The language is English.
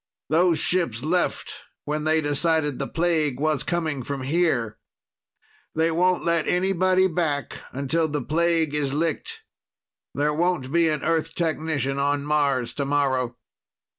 Those ships left when they decided the plague was coming from here. They won't let anybody back until the plague is licked. There won't be an Earth technician on Mars tomorrow."